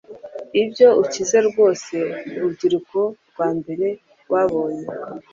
Ibyo ukize rwose urubyiruko rwa mbere rwabonye